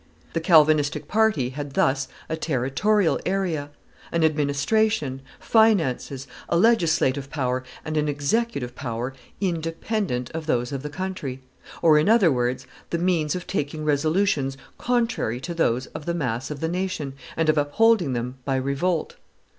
The Calvinistic party had thus a territorial area, an administration, finances, a legislative power and an executive power independent of those of the countr;y; or, in other words, the means of taking resolutions contrary to those of the mass of the nation, and of upholding them by revolt.